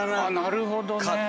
なるほどね。